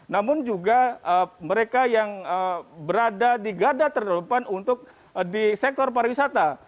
namun juga mereka yang berada di gada terdepan untuk di sektor pariwisata